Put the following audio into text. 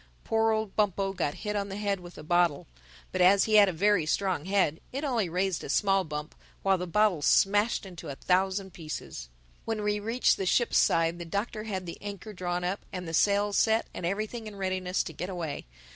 Poor old Bumpo got hit on the head with a bottle. But as he had a very strong head it only raised a small bump while the bottle smashed into a thousand pieces. When we reached the ship's side the Doctor had the anchor drawn up and the sails set and everything in readiness to get away.